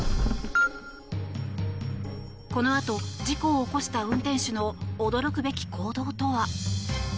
このあと事故を起こした運転手の驚くべき行動とは。